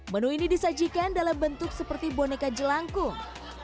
menu ini disajikan dalam bentuk seperti boneka jelangkung